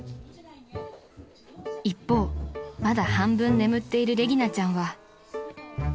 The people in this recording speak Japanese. ［一方まだ半分眠っているレギナちゃんは］